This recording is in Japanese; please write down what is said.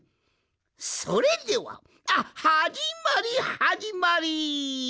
それではあっはじまりはじまり！